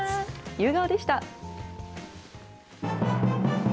夕顔でした。